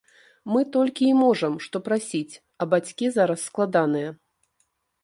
Мы толькі і можам, што прасіць, а бацькі зараз складаныя.